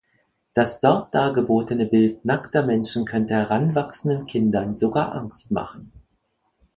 Das dort dargebotene Bild nackter Menschen könnte heranwachsenden Kindern sogar Angst machen.